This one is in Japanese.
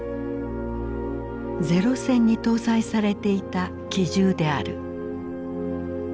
零戦に搭載されていた機銃である。